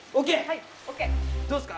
ＯＫどうっすか？